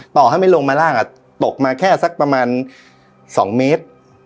ต่อให้ไม่ลงมาล่างตกมาแค่สักประมาณ๒เมตร